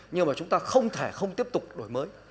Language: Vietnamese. nhưng mà chúng ta không thể không tiếp tục đổi mới